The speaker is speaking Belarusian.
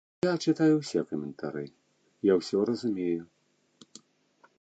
Я чытаю ўсе каментары, я ўсё разумею.